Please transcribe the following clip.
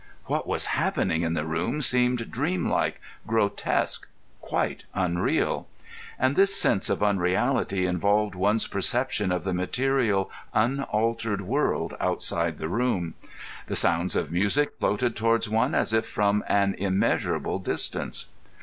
What was happening in the room seemed dream like, grotesque, quite unreal; and this sense of unreality involved one's perception of the material, unaltered world outside the room. The sounds of music floated towards one as if from an immeasurable distance.